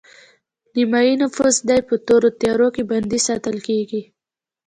نیمایي نفوس دې په تورو تیارو کې بندي ساتل کیږي